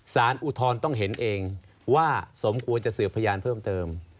อุทธรณ์ต้องเห็นเองว่าสมควรจะสืบพยานเพิ่มเติม